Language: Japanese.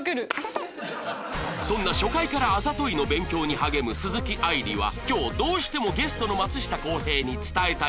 そんな初回から「あざとい」の勉強に励む鈴木愛理は今日どうしてもゲストの松下洸平に伝えたい事が